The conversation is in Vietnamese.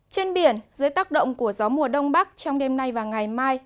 trên biển dưới tác động của gió mùa đông bắc trong đêm nay và ngày mai